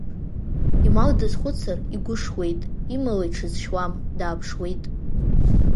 Имал дазхәыцыр, игәы шуеит, имала иҽизшьуам, дааԥшуеит.